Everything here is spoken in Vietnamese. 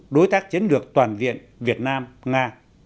đối tác chiến lược toàn diện việt nam nga